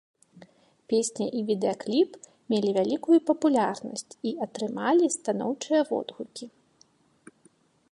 Песня і відэакліп мелі вялікую папулярнасць і атрымалі станоўчыя водгукі.